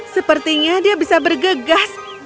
sepertinya dia bisa bergegas